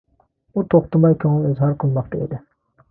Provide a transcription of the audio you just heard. ئۇ توختىماي كۆڭلىنى ئىزھار قىلماقتا ئىدى.